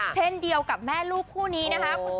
เช่นเดียวกับแม่ลูกคู่นี้นะครับ